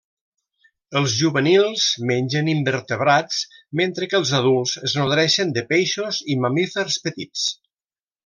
Els juvenils mengen invertebrats, mentre que els adults es nodreixen de peixos i mamífers petits.